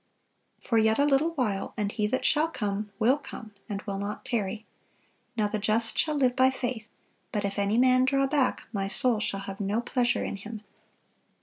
For yet a little while, and He that shall come will come, and will not tarry. Now the just shall live by faith: but if any man draw back, My soul shall have no pleasure in him.